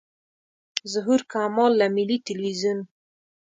ظهور کمال له ملي تلویزیون.